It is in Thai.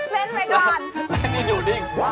แล้วนี่หนูดิ่ง